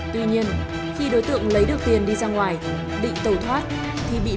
tuy nhiên khi đối tượng lấy được tiền đi ra ngoài định tẩu thoát thì bị